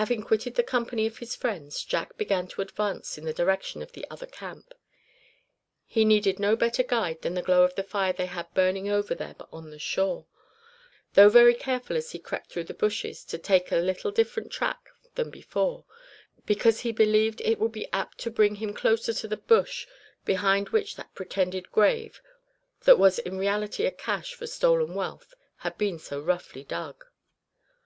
Having quitted the company of his friends, Jack began to advance in the direction of the other camp. He needed no better guide than the glow of the fire they had burning over there on the shore; though very careful as he crept through the bushes to take a little different track than before, because he believed it would be apt to bring him closer to the bush behind which that pretended "grave" that was in reality a cache for stolen wealth, had been so roughly dug.